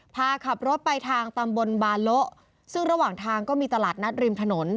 พาขับรถไปทางตำบลบาโละซึ่งระหว่างทางก็มีตลาดนัดริมถนน